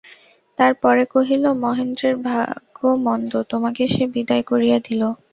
তার পরে কহিল, মহেন্দ্রের ভাগ্য মন্দ, তোমাকে সে বিদায় করিয়া দিল।